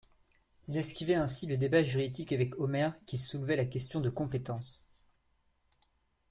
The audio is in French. Il esquivait ainsi le débat juridique avec Omer qui soulevait la question de compétence.